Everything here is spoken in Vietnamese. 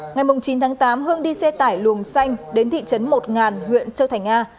ngày chín tháng tám hương đi xe tải luồng xanh đến thị trấn một ngàn huyện châu thành a